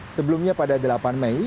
sebelumnya pada delapan mei